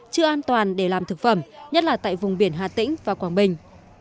chưa an toàn để làm thực phẩm nhất là tại vùng biển hà tĩnh và quảng bình